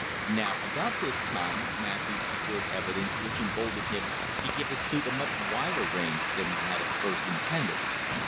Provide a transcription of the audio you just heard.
Now about this time Matthews secured evidence which emboldened him to give his suit a much wider range than he had at first intended.